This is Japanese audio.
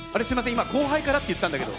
今後輩からって言ったんだけど。